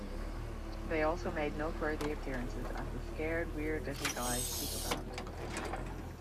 They also made noteworthy appearances as The Scared Weird Little Guys Superband.